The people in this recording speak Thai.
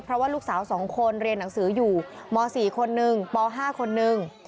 เพราะว่าลูกสาว๒คนเรียนหนังสืออยู่ม๔คนนึงป๕คนนึง